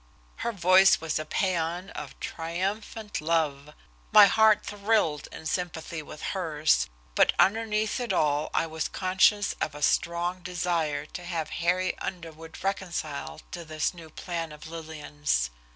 Her voice was a paean of triumphant love. My heart thrilled in sympathy with hers, but underneath it all I was conscious of a strong desire to have Harry Underwood reconciled to this new plan of Lillian's.